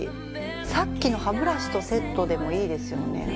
さっきの歯ブラシとセットでもいいですよね。